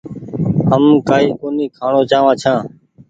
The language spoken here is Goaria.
هم ڪآئي ڪونيٚ کآڻو چآوآن ڇآن۔